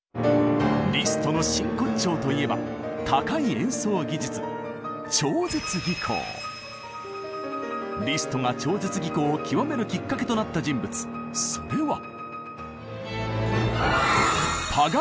リストの真骨頂といえば高い演奏技術リストが超絶技巧をきわめるきっかけとなった人物それは。